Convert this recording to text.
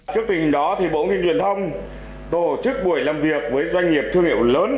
trước tình đó bộ thông tin và truyền thông tổ chức buổi làm việc với doanh nghiệp thương hiệu lớn